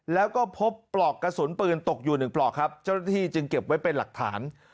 แล้วก็พบปลอกกระสุนปืนตกอยู่หนึ่งปลอกครับเจ้าหน้าที่จึงเก็บไว้เป็นหลักฐาน